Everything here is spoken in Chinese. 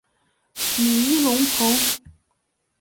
努伊隆蓬。